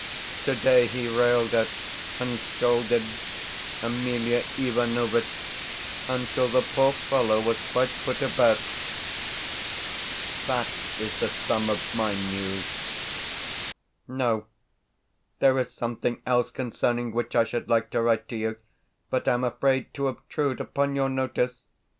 Today he railed at and scolded Emelia Ivanovitch until the poor fellow was quite put about. That is the sum of my news. No there is something else concerning which I should like to write to you, but am afraid to obtrude upon your notice.